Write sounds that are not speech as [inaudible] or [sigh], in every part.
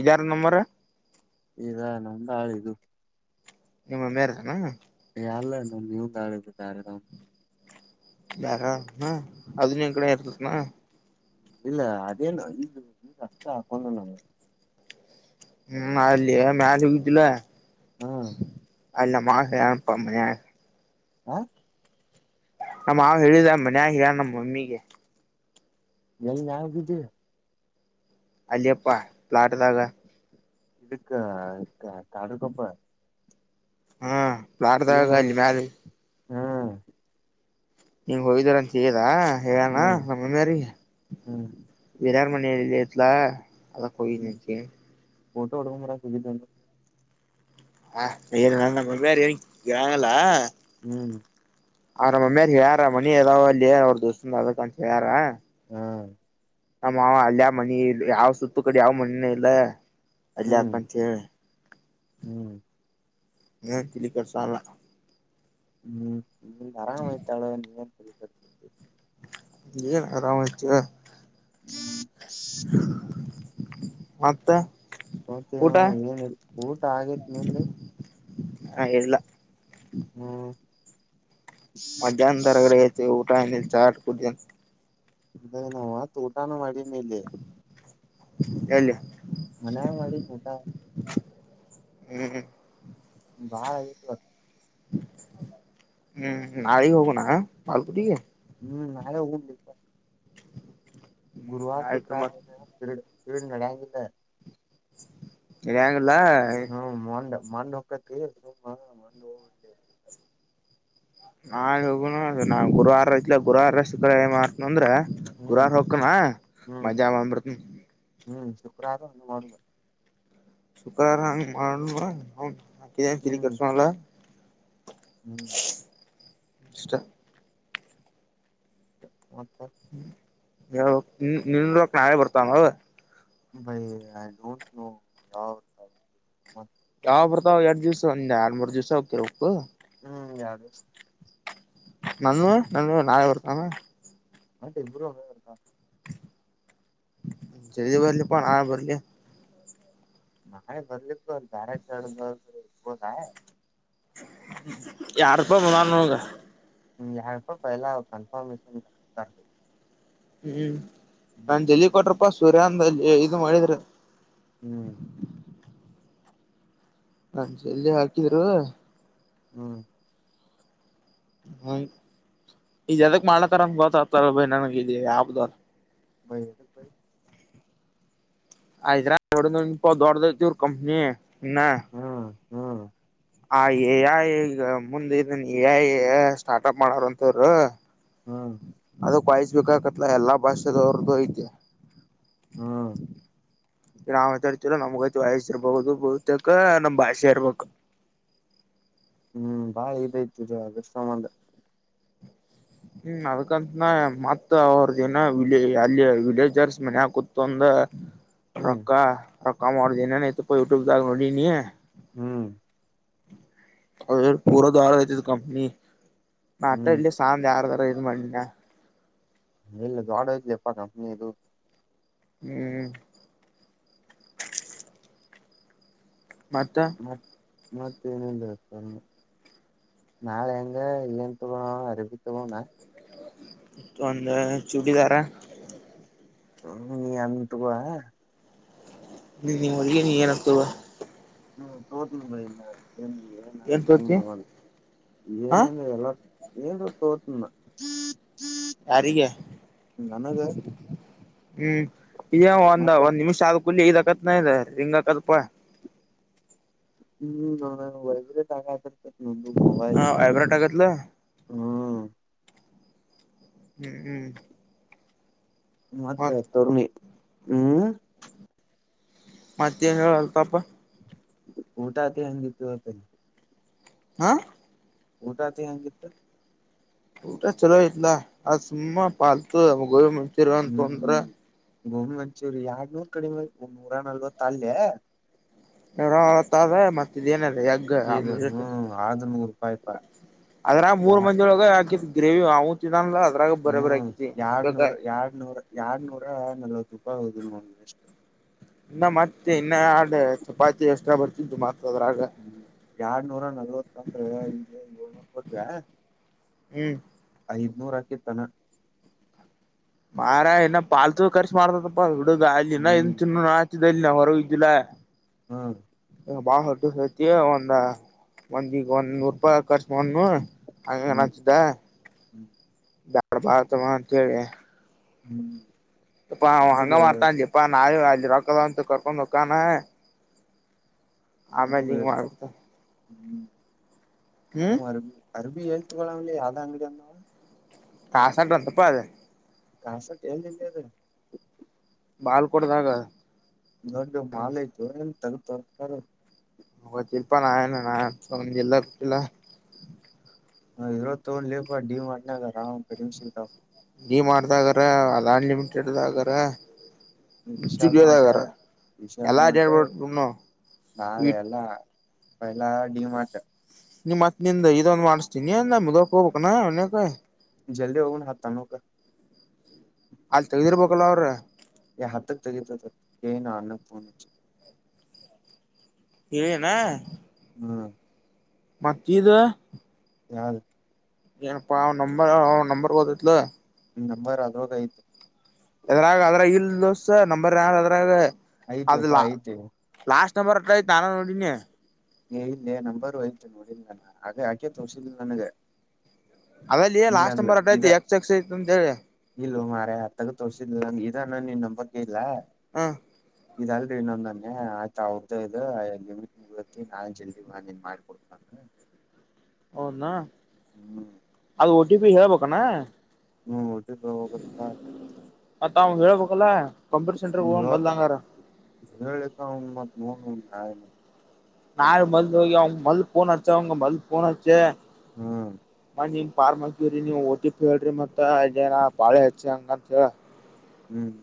ಇದಾರ್ number ಈದಾ ನಮ್ದ ಹಾಳ ಇಿದು ನಿಮ್ಮ ಮೇರ್ಾನ ಯಲ್ಲ ನ ನೀವು ತಾಳಾರದ್ ಬಾರ ಹಾ ಅದನನ್ ಕಡೆ ಇರ್ತತ್ ನ ಇಲ್ಲ ಅದೇನು ಈದು ಈಗ ಅಷ್ಟ ಹಾಕೊಂಡು ನಂಗ ಹ್ಮ್ ಅಲ್ಲಿ ಮ್ಯಲೆಿದಲ ಹಾ ಅಲ್ಲಮ್ಮ ಹನ್ ಪ ಮ ಹ ನಮ ಅವ್ ಹೇಳಿದ ಮನ್ಯ ಹೇಳ ನಮ್ಮ ಮಮ್ಮಿಗೆ ನೀಲ್ಲಿ ನಾವ ಕಿದ್ದು ಅಲ್ಲಿಯಪ್ಪಾ ಪ್ಲಾಟ್ದಾಗ ಇಕ್ಕ ಕಡುಗೊಪ್ಪ ಹಾ ಪ್ಲಾಡ್ದಾಗ ಅಲ್ಲಿ ಮ್ಯಾಲ ಹ್ಮ್ ನೀಂಗ ಹೋಗಿದರ ಅಂತ ಹೇಳದಾ ಹೇಳಣ ಹ್ಮ್ ನಮ್ಮ ಮಾರಿ ಹ್ಮ್ ಬಿರ ಮ ಎತ್ಲಾ [unintelligible] ಅಡುಗೆ ಮಾಡೋಕೆ ಹೋಗಿದ್ನತೆ ಹೇ ನನ್ನ ಬರೋಕೆ ಆಗಲ್ಲ ಹ್ಮ್ ಆ ನಮ್ಮ್ಯ ಹೇಳ್ಯಾರ ಮನಿ ಅದಾವ ಅಲ್ಲಿ ಅವ್ರ ದೋಸ್ತದು ಅದ ಅಂತ ಹೇಳ್ಯಾರ ಹಾ ನಮ್ಮ ಮಾವ ಅಲ್ಲೇ ಮನಿ ಯಾವ್ ಸುತ್ತು ಕಡೆ ಯಾವ್ ಮನಿನ ಇಲ್ಲ ಅಲ್ಲೇ ಹ್ಮ್ ಆಕಂತ ಹೇಳಿ ಹ್ಮ್ ಆ ಅದಿಕ್ಕೆ ಸಾಲ ಹ್ಮ್ ಆರಾಮಾ ಆಯ್ತು ಹೇಳಿ ಏನ್ ಆರಾಮ [inaudible] ಮತ್ತೆ ಮಾತೆಣ್ಣ ಏನಿಲ್ಲ ಊಟ ಆಗೇತೆ ನಿಂದು ನ ಹೇಳಿಲ್ಲ ಹ್ಮ ಮದ್ಯಾಹ್ನ ಒಳ್ಳಗೆ ಊಟ ಚಾ ಕುಡಿದೆ ಅ ನಾವು ಊಟನು ಮಾಡಿನೇ ಎಲ್ಲಿ ಮನೆಗೆ ಮಾಡೀನಿ ಊಟ ಹ್ಮ್ ಹ್ಮ್ ಬಾಳ ಆಗ್ತಾಯಿಪ್ಪಾ ಹ್ಮ್ ನಳಿನೆ ಹೋಗೋಣ ಬಲ್ಗುಟ್ಟಿಗೆ ಹ್ಮ್ ನಾಳೆ ಹುಂನ್ಲಿ ಹ್ಮ್ ಗುರುವಾರ್ ಆಯ್ತು ಸುಕ್ರಾರ ಮತ್ ಏನ ತಿಡುತಿಡು ನಾಂಗಿಲ್ಲ ತೆಗೆಗಿಲ್ಲ ಮೊನ್ನೆ ಸುಮೆ ಅದೇ ನಾ ಹೋಗೋನು ಗುರುವಾರ ಶುಕ್ರವಾರ ಮಾಡ್ತೀನಿ ಅಂದ್ರೆ ಹ್ಮ್ ಕುರಾರ ಹಕಣ ಹ್ಮ್ ಮಜಾತ ಹ್ಮ್ ಶುಕ್ರವಾರ ಒ ಮಾಡುದು [inaudible] ಶುಕ್ರಾರಂಗ ಮಾಡ ಹ್ಮ್ ಕಲ್ಲ ಹ್ಮ್ ಎಷ್ಟಷ್ಟ ಹ ಯಾವ ನಿನ್ವಕ್ ನಾಾವಳೆ ಬರ್ತಮ್ಮ [inaudible] ಬೈ ಐ ಡೋಂಟ್ ನೋ ಯಾವ [inaudible] ಹಬರ್ತಾವ ಎಡುಯೂಸ ಒ ಆಲ್ಮೂರು ಜ್ಯೂಸ ಹೋಗ್ತರ ಉಪ್ಪು ಹ್ಮ್ ಯಾರ ನನ್ವ ನನ್ ನಾವೆರ್ತಾಮ ಅಟಬತಾ [unintelligible] ಜ ಬರಲಿ ಪ ಆ ಬದಲಿ ನಳ ಬದಲ ಧಾರೆ ಚರ್ಷತಾಯ ಯಾರ್ಪ ಮನ್ಗ ಹ್ಮ ಯಾಪ್ಪ ಪಲ್ಲ ಕನ್ಫರ್ಮೇಶನ್ ತರ್ಬೇಕ ಹ್ಮ್ ನಾ ಜಲ್ಲಿ ಕೊಟ್ರಪ್ಪಾ ಸೂರ್ಯ ಅಂದ ಇ ಮಾಡಿದ್ರ ಹ್ಮ್ ಹಂಜ ಎಲ್ಲಿ ಹಾಕಿದ್ರು ಹ್ಮ್ ಹ್ಮ ಈಜದಕ್ ಮಾಡ್ತಾರನ್ ಗತ್ತತಾರ ಭ ನನಗ ಆಬದಾರ ಬೈ ಬ ಆಯ್ತಾ ಇಪ ದೊಡ್ಡವರ್ ಕಂಪ್ನಿ ಇ ಹ್ಮ್ ಹ್ಮ್ ಆ ಎಯ ಈಗ ಮುಂದ ಇದನ್ ಎ ಸ್ಟಾರ್ಟಪ್ ಮಾಡಾರಂತವರು ಹ್ಮ ಅದ ಕಾಯಿಸಬೇಕಕತ್ಲ ಎಲ್ಲಾ ಭಾಷೆದವ್ರದ್ದು ಐತೆ ಹ್ಮ್ ನಾವ್ತ ಇರ್ತಿರ ನಮ್ಗೈತಿ ವಯಸ್ಸ ಇರ್ಬಹುದು ಬಹುತೇಕ ನಮ್ ಭಾಷೆ ಇರ್ಬೇಕು ಹಮ್ ಹ್ಮ್ ಬಾ ಇದೈತಷ್ಟ ಸಂಬಧ ಹ್ಮ್ ಅದ್ಕಂತನ ಮತ್ತ ಅವ್ರದ ಏನ ಅಲ್ಲಿ ವಿಲೇಜರ್ಸ್ ಮನ್ಕತ್ಂದ ಹ್ಮ್ ರಕ್ಕಾ ರಕ್ಕ ಮಾಡದನೆ ನ ಪ ಯುಟ್ಯೂಬ್ ದಾಗ ನೋಡಿ ನೀ ಹ್ಮ್ ಅ ಪೂರ ದ್ರ ಕಂಪನಿ ನ ಅ ಹ್ಮ್ ಇಲ್ಲಿ ಶಂದ ಯಾರ ಬರಿ ಮಾಡ್ಣ ಇಲ್ಲ ದ ಆಡ ಎಪ್ಪ ನನ ಇದು [inaudible] ಹ್ಮ್ [inaudible] ಮತ್ತ ಮತ್ ಮತ್ತ ಏನಲ್ಲತ ನಾಳೆ ಹೆಂಗ ಏನ್ಂತಗ ಅರಿಬತ್ತುಗಣ ಒಂದ ಚೂಡಿದಾರ ಹ ನೀ ಅ ತುಗ ಹ [inaudible] ನೀ ನೀ ಹೊಗೆ ನೀ ಏನಪ್ಪವಾ ಹ್ಮ್ ತೋಟನ ಬಲ್ಲ [inaudible] ಎನ್ಂತೋತಿ ಹ [inaudible] ಏನು ತೋತನ್ನ [inaudible] ಯಾರಿಗೆ ಹ್ಮ್ ಇದೇ ಒಂದ ಮತ್ತೆ ಒಂದ್ ನಿಮಿಷ ಆದ ಕಲ್ಲಿ ಹಕ ರ ರೀಂಗಕಲ್ಪ ಹ್ಮ್ ನ ವೈಬ್ರೇಟ್ ಅಗಕಟೈಥಿ ಹಾ ವೈಬ್ರೇಟ್ ಅಗಕತ್ಲ ಹ್ಮ್ ಹ್ಮ್ ಹ್ಮ್ ಮತ್ತೆ ಮತ್ ತಣಿ ಹ್ಮ್ ಮತ್ತ ಹಳ್ತಪ್ಪ ಊಟ ಆತಿ ಹೆಂಗಿತ್ತು ಆತಲ್ಲಿ ಹಾ ಊಟ ಆತಿ ಹೆಂಗಿತ್ತು ಊಟ ಚಲೋ ಇತ್ತಲ್ಲ ಸುಮ್ಮ ಪಾಲ್ತು ಗೋ ಮುತರ ಅಂತ ತಂದ್ರ ಗೋಮಿ ಮಂಚೂರಿ ಎರಡ್ ನೂರ್ ಕಡಿ ಮೇಲ್ ಒ ನೂರ ನಲ್ವ ಅಲ್ೆ ಇವರ ಹೊತ್ತದ ಮತ್ತಏನ ಇ ಹ್ಮ ಆದ ನೂ ರೂಪಾಯಯ್ತಾ ಅದ್ರ ಮೂರ್ ಮಜಿೊಳಗೆ ಹಾಕಿತ್ ಗ್ರೇವಿ ಅವತ್ಿದಲ ಹ್ಮ್ ಎರ್ನೂರ ಎಡ್ನೂರ ಎರ ನೂರ ನಲ್ವತ್ತು ಹೌದು ಮ ಇಷ್ಟ ಇನ್ನ ಮತ್ತೆ ಇನ್ನ ಆಡ ಚಪಾತಿ ಎಷ್ಟ್ರ ಬರ್ತಿದ್ದು ಮತ್ರ ಅದ್ರಾಗ ಎಡ್ನೂರ ನಲ್ವತ್ ಅಂದ್ರೆ ಈಗೆ ಏಳ್ನೂರ್ ಕೊಟ್್ರ ಹ್ಮ್ ಐ ನೂರಾಕಿ ತನ ಮಾರ ಇನ್ನ ಪಾಲ್ತು ಕರ್ಸಿ ಮಾಡ್ತದಪ್ಪ ಹುಡುಗ ಅ ಇ ಹ್ಮ್ ತಿನ್ನು ಇಲ್ಲ ಹೊರ ಇದ್ದಿಲ್ಲ ಹಾ ಬಾಳ ಹಟ್ಟ ಸೇತಿ ಒಂದ ಮಂದಿಗೆ ಒಂದ್ ನೂರು ರೂಪಾಯಿ ಖರ್ಚು ಮಾಡು ಹ್ಮ್ ಅಗನಚ್ದ ಹ್ಮ್ ಬ್ಯಾಡ್ ಬಾರ್ತಮ್ಮಾ ಅಂತೇಳಿ ಹ್ಮ್ ಯಪ್ಪ ಅವ ಹುಡುಗ ಹಂಗ ಮಾಡ್ತಾನ್ ಲ್ಯಾಪ್ಪಾ ನಾವು ಅಲ್ಲಿ ರೊಕ್ಕದಾವ್ ಅಂತ ಕರ್ಕೊಂಡ್ ಹಕ್ಕಾನ ಹ್ಮ್ ಆಮೇಲ್ ಹಿಂಗ್ ಹೇಳ್ತ ಮಾಡ್ತಾನ್ ಹ್ಮ್ ಹ್ ಅರಬಿ ಅರಬಿ ಎಲ್ತಾಗೋಳವ್ಲೇ ಯಾವ್ದ ಅಂಗಡಿ ಅಂದ್ ಪ್ಯಾಸನ್ರಂತಪ್ಪ ಅದ್ ಕಾಸ ಕೇಳ್ದಂತೆ ಅದ್ ಬಾಲ್ ಕೊಡ್ದಾಗ ತಗುದ್ ತೋರ್ಸ್ತಾರೋ ಅವತ್ತಿಲ್ಪ ನಾ ಏನಾ ಇರ್ಲಾಕ್ಕಿಲ್ಲ ನಾವ್ ಇದ್ರಾಗ್ ತಗೊಂಡ್ಲೇಪ ಡಿ ಮಾರ್ಟ್ ನ್ಯಾಗ ಯಾವ್ ಕಡಿಮೀಲ್ ಸಿಗ್ತಾವ ಡಿ ಮಾರ್ಟ್ದಾಗರೇ ಅದು ಅನ್ಲಿಮಿಟೆಡ್ದಾಗರೇ ವಿಶಾಲ್ ಮಾರ್ಟೆ ವಿಶಾಲ್ ಎಲ್ಲಾ ಮಾರ್ಟೆ ಅಡ್ಯಾಡ್ಬಿಡ್ನು ನಾವೆಲ್ಲ ವೆಲ್ಲ ಡಿ ಮಾರ್ಟೆ ನಿಮ್ ಮತ್ ನಿಂದ ಇದೊಂದ್ ಮಾಡ್ಸ್ತೀನಿ ನ ಮುದಕೋಬೇನ್ನಾ ಒನ್ಯಾಕ ಜಲ್ದಿ ಹೋಗಣ ಹತ್ತನೋಕ ಅಲ್ಲಿ ತೆಗ್ದಿರ್ಬೇಕಲ್ಲ ಅವ್ರ್ ಏ ಹತ್ತುಕ್ ತೆಗೀತರ್ಲೆ ಅಣ್ಣಾಕ್ ಫೋನ್ ಹಚ್ಚ್ ಇವೇನಾ ಹ್ಮ್ ಮತ್ತಿದು ಯಾದು ಏನಪ್ಪಾ ಅವ್ನ್ ನಂಬರ್ ಅವ್ನ್ ನಂಬರ್ ಗೊತ್ತೈತ್ಲೆ ನಂಬರ್ ಅದ್ರಾಗ ಐತಿ ಎದ್ರಾಗ ಅದ್ರಾಗಿಲ್ ದೋಸ್ತ ನಂಬರ್ ಯಾವ್ದ್ ಅದ್ರಾಗ ಆಯ್ತೆ ಅಪ್ಪಾ ಆಯ್ತೆ ಬರ್ ಐತ್ ನಾನೆ ನೋಡಿನಿ ಏ ಇಲ್ಲೇ ನಂಬರ್ ಓಯ್ತು ನೋಡಿಲ್ ನಾನ ಹಾಗ ಆಕೆ ತೋರ್ಸಿದ್ಲು ನನಗ ಅಲ್ಲಲೇ ಲಾಸ್ಟ್ ನಂಬರ್ ಅಡೈತಿ ಎಕ್ಸ್ ಎಕ್ಸ್ ಅಂತೇಳಿ ಇಲ್ಲ ಮಾರಾಯ ಅತ್ತಗ್ ತೋರ್ಸಿದ್ಲಂಗ್ ಇದನ್ನ ನೀನ್ ನಂಬರ್ ಕೇಳ್ದ್ಲ ಹಾ ಇದಗ್ದೆ ಇನ್ನೊಂದನ್ನೆ ಆತ್ ಅವ್ರ್ದೆ ಇದು ಐ ನಾನೆ ಜಲ್ದಿ ಮಾಡಿನ್ ಮಾಡಿ ಕೊಡ್ಪಾ ಅಂದ್ರ ಹೌದ್ನ ಹ್ಮ್ ಅದು ಓ ಟಿ ಪಿ ಹೇಳ್ಬೇಕೇನ ಹ್ಮ್ ಓಟಿಪಿ ಯಾವಾಗ್ ಬತ್ತ ಮತ್ ಅವನ್ಗ್ ಹೇಳ್ಬೇಕಲ್ಲಾ ಕಂಪ್ಯೂಟರ್ ಸೆಂಟರ್ ಹೋಗ ಮೊದ್ಲಂಗಾರ ಯೋಳ್ತಿನ್ ಏಳಿದ್ನ ಅವನ್ಗ್ ಮತ್ ನೋಡು ಅಂತ ನಾ ಮದ್ಲು ಹೋಗಿ ಅವ ಮಲ್ ಪೋನ್ ಹಚ್ಚಿ ಅವನ್ಗ್ ಮದ್ಲ್ ಪೋನಚ್ಛೆ ಹ್ಮ್ ನೀವ್ ಪಾರ್ಮಕಿರಿ ನೀವು ಓ ಟಿ ಪಿ ಹೇಳ್ರಿ ಮತ್ತ ಇದನ ಬಾಳೆ ಹೆಚಾಂಗ ಅಂತ್ ಹೇಳ ಹ್ಮ್್ಮ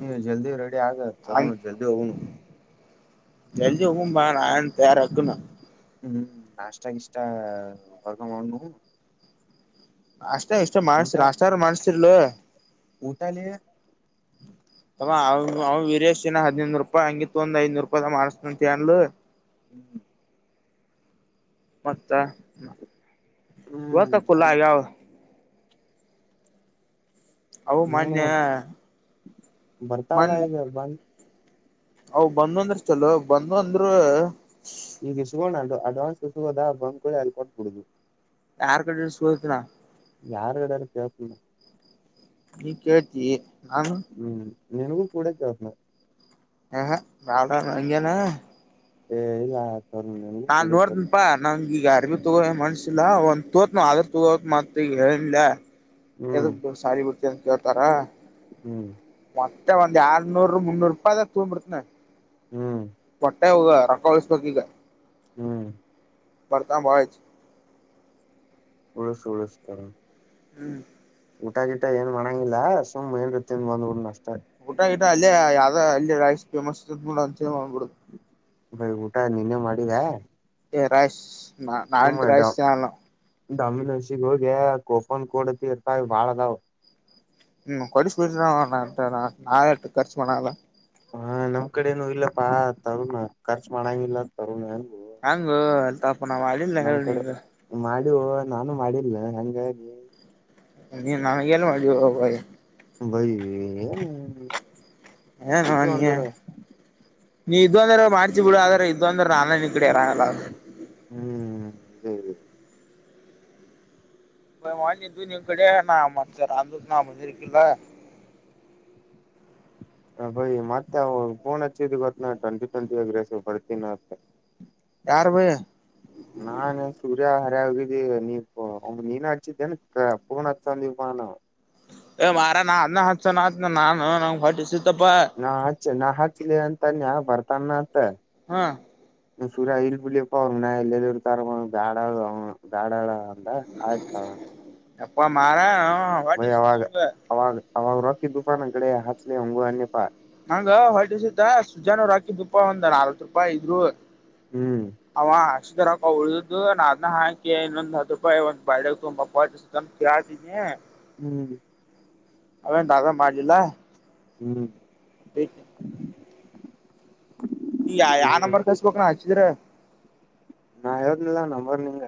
ಹ್ಮ್ ಜಲ್ದಿ ರೆಡಿ ಆಗ ಜರೂನು ಹಂಗ್ ಜಲ್ದಿ ಹೋಗೂಣು ಜಲ್ದಿ ಹೋಗುಣ್ ಬಾ ಅಣ ಅಂತ್ಯಾರ್ ಹದುನ ಹ್ಮ್ ನಾಷ್ಟಾ ಗೀಷ್ಟ ವರ್ಗ ಹೋಗೋಣು ಅಷ್ಟ ಇಷ್ಟ ಮಾಡ್ಸ್ರಿ ಅಷ್ಟಾರ ಮಾಡಸ್ತಿರ್ಲ ಊಟಾಲೇ ಯ [inaudible] ತಮ್ಮ ಅವ ಅವ ವೀರೇಶಿ ನ ಹದಿನೈಡ್ನುರೂಪಾಯಿ ಹಂಗಿತ್ ಒಂದ್ ಐದ್ನೂರೂಪಾಯಿದ ಮಾಡ್ಸಿನಂತ ಅಂದ್ಲು [inaudible] ಮತ್ತ ಇವತ್ತ ಫುಲ್ ಹ್ಮ್ ಆಗ್ಯಾವ ಅವು ನೋ ಮೊನ್ನೆ ಬರ್ತಾವಲ್ಲ ಇ ಬಂದ ಅ ಬಂದ ಅಂದ್ರೆ ಚಲೋ ಬಂದು ಅಂದ್ರ ಈಗ ಇಸಗೋಣ ಅ ಅಡ್ವಾನ್ಸ್ ಇಸಗೋದ ಬಂಕಗಳ ಅಲ್ಕೊಂಡಬ ಬಿಡುದು ಯಾರ ಕಡೆ ಸುತನಾ ಯಾರುಗಡಾರು ಕೇಕ್ಣ ನೀ ಕೇಳ್ತೀ ಹ್ಮ್ ನಿನಗೂ ಕೂಡ ಕೆಳ್ಸ ಹ ಹ ನಾವ ನಗೆಾನ [unintelligible] ಏ ಇಲ್ಲಾ ನಾನ್ ನೋಡ್ತನಪಾ ನಂಗೀಗ ಅ ತಗೋ ಮನ್ಸಿಲ್ಲಾ ಒಂದ್ ತೋತನ ಆದ್ರ ತಗೋತ್ ಮತ್ತ ಈಗ ಹೇಳಿಲ್ಲ ಹ್ಮ್ ಎೊಡ್ ಸಾಲ ಬಿಡ್ತಂತ ಕೇಳ್ತಾರಾ ಹ್ಮ್ ಮತ್ತೆ ಒಂದ್ ಯರ್ನೂರು ಮುನ್ನೂರು ರೂಪಾಯಿದಾಗ ತಗೊಂಡ್ಬಿಡ್ತನ ಹ್ಮ್ ಒಟ್ಟ ಹ ರೊಕ್ಕೊಳಿಸ್ಬೇಕ ಈಗ ಹ್ಮ್ ಬರ್ತಾಮ ಭಜ ಉಳಸು ಉಳಸತರ ಹ್ಮ್ ಊಟ ಗಿಟ ಏನ್ ಮಾಡಂಗಿಲ್ಲ ಸುಮ್ ಏನ್ರುತ್ತ ಬಂದ್ಬು ಅಷ್ಟ ಊಟ ಗಟ ಅಲ್ಲೇ ಯಾವ್ದ ಅಲ್ಲಿ ರೈಸ್ ಫೇಮಸ್ ಇದ್ಡ ಮಾಡ್ಬಿಡ ಬರಿ ಊಟ ನೀನ್ನೇ ಮಾಡಿದ ರೈಸ್ ನಾ ನಾನಟ ರೈಸ್ ಚಾಣಲ್ಲ ಅಮ್ಮಿನ್ ಹಷಿ ಹೋಗ ಕೋಪನ್ ಕಡತಿ ಇರ್ತಾವ ಬಾಳ ಅದಾವ್ ಹ್ಮ್ ಕುಡಿಿಸಿು ಬಿ ನಾಲೆಟ ಖರ್ಚುಣಲ್ಲ ಹಾ ನಮ್ ಕಡೆನುೂ ಇಲ್ಲಪ್ಪಾ ತರುಣ ಖರ್ಚು ಮಾಡಂಗಿಲ್ಲ ತರುಣ ಅನ್ ಅ ನಾವು ಅಳ್ಳಿ ನರ ನೀ್ರ ಇದು ನಾನು ಮಾಡಿಲ್ಲ ಹಂಗಾಗಿ ನೀ ನಗೆಲ್ಲ ಮ ಹ ಭೈ ಹ ನನಿಯ [unintelligible] ನೀ ಇದೊಂದ್ರ ಮಾಡ್ಚಿ ಬಿಡು ಆದ್ರೆ ಇದ್ೊಂದ್ರ ನಾನ ನಿ ಕಡೆ ರಾನಲ್ಲ [unintelligible] ಹದೌದೌದು ಮಾಡಲಿ ದನಿ ಕಡೆ ನ ಮಸ ರಂದ ನ ಅದರಿ ಕಲ್ಲ [inaudible] ಬಯ್ ಮತ್ತೆ ಫೋನ್ ಹಚ್ಚಿದ ಗೊತ್ತ ನ ಟ್ವೆಂಟಿ ಟ್ವೆಂಟಿ ಆಗ ರಸ ಬರ್ತೀನ ಮತ್ತ ಯಾರ್ ಬೈ ನಾ ನ ಸೂರ್ಯ ಹಾರ್ಯ ಹೋಗ ನೀ ಇ ಅವ ನೀನು ಅಡಚಿದ್ದೇ ಪಗಾಂದಪಾನ ಮಾಾರ ನಾದ ನ ಹಸ ನ ನಾನ [unintelligible] ನಾ ಹಚ್ಚಿ ನಾ ಹಾಚ್ಲಿ ಅಂತನ್ಯ ಬರ್ತಾನ ಅಂತ ಹಾ ಸೂರ್ಯ ಇಲ್ ಬಿಳಿಯಪ್ಪ ಅವನ ಎಲ್ಲೆಲ್ಲಿ ತಾರ ದ್ಯಾಡಾಳ ಅವ ದ್ಯಾಡಾಳ ಅಂದ ಆಯ್ತ ಅಾ ಮಾರಯ ಒಯ್ ಅವಾಗ ಅವಾಗ ಅವಾಗ ರೊಕ್ಕಿ ದುಫಾನ ಕಡೆ ಹಾಚ್ಲಿ ಹಂಗು ಅನ್ಯಪ್ಪ ಹಂಗ ಹೊಿವಸದ ಸುಜಾನೂರ್ ಹಾಕಿದ್ ರೂಪ ಒಂದ ನರವತ್ ರೂಪಾಯಿ ಇದ್ರು ಹ್ಮ್ ಅಕ್ಷರಕ ಉಳ್ದು ನ ಅದ ಹಾಕಿ ಇನ್ನೊಂದ್ ಹತ್ತು ರೂಪಾಯಿ ಒಂದ್ ಬಾಳ ತುಂಬಾ ಪ ಕಾತೀಿನಿ ಹ್ಮ್ ಅವೇಂತಾದ ಮಾಡಜಿಲ್ಲ ಹ್ಮ್ [unintelligible] ಈ ಯಾವ ಹ್ಮ್ ನಂಬರ್ ಕಸ್ಬೇಕಕ್ ನ ಹಚ್ಚಿದ್ರ ನಾ ಹೇಳೇದನಿಲ್ಲ ನಂಬರ್ ನಿಂಗ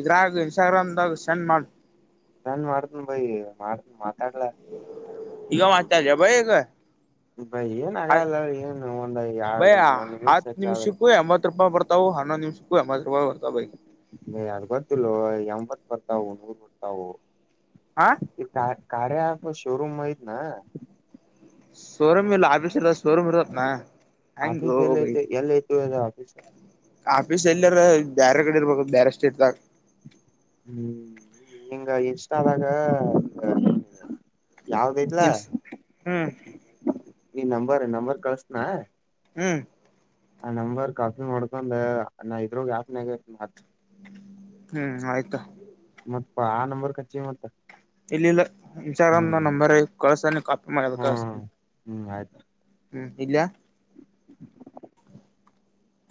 ಇದ್ರಾಗ ಇನ್ಸ್ಟಾಗ್ರಾಮದಾಗ ಸೆಂಡ್ ಮಾಡ ನನ್ ಮಾಡತನ ಭಯ ಮಾಡತನ್ ಮಾತಾಡ್ಲ ಈಗ ಮಾಡ್ತ ಬಗ ಬೈ ಏನ್ ಆ ಆಗಲ್ಲ ಏನ್ ಒಂದ್ ಎರಡ್ ಬಯ ಒಂದ್ ಹತ್ತು ನಿಮಿಷ ಹೆಚ್ಚಾದ್ರಿ ಕ ಅಮ್ಮತ್ತು ರೂಪ ಪತ ಅವು ಹಣ ನಿಮ್ ಅರ್ವತ್ತಲ್ಲ ಎಂಬತ್ ಬರ್ತಾವು ನೂರು ಬರ್ತವು ಆ ಕಾರ್ಯ ಆ ಶೋರುೂಮ ಮಯಿತ ನ ಸೋರಮ್ಯ ಇಲ್ಲ ಆಫಿ ಸೋರಮ ಇರುತತ್ನಾ ಹೆಂಗ ಆಫೀಸ್ ಎಲ್ಲಿ ಬೈ ಐತಿ ಎಲ್ಲಿ ಐತಿ ಅದ ಆಫೀಸ್ ಆಫೀಸ್ ಎಲ್ಲಿರ ಬೇರೆ ಕಡೆ ಇರ್ಬೇಕ ಬೇರೆ ಸ್ಟೇಟ್ಧಗ ಹ್ಮ್ ಎಂಗ ಎಷ್ಟ ಆದಾಗ ಜನ್ಸ್ ಹ್ಮ್ ನೀ ನಂಬರ್ ನಂಬರ್ ಕಳಸನ ಹ್ಮ್ ಆ ನಂಬರ್ ಕಾಫಿ ನೋಡ್ಕೊಂಡ ನ ಇದ್ರಗ್ ಯಾಕನ್ಗ ಹಚ್ಚ ಹ್ಮ್ ಆಯ್ತಾ ಮತ್ತಾ ಆ ನಂಬರ್ ಖರ್ಚ ಮತ್ತ ಇಲ್ಲಿಲ್ಲ ಇನ್ಸ್ಟಾಗ್ರಾಮ್ ನ ಹ್ಮ್ ನಂಬರ್ ಕಳಸನೆ ಕಾಪಿ ಮಾಡಬೇಕ ಕ ಆಯ್ತ ಇಲ್ಲ